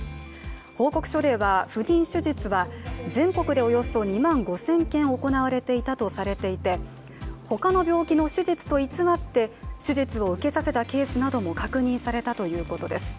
報告書では、不妊手術は全国でおよそ２万５０００件行われていたとされていて他の病気の手術と偽って手術を受けさせたケースも確認されたということです。